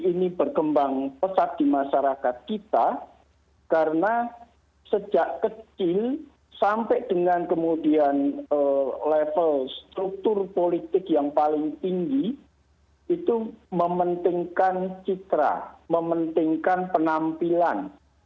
ini berkembang pesat di masyarakat kita karena sejak kecil sampai dengan kemudian level struktur politik yang paling tinggi itu mementingkan citra mementingkan penampilan